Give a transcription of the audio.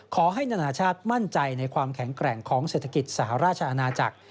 นานาชาติมั่นใจในความแข็งแกร่งของเศรษฐกิจสหราชอาณาจักร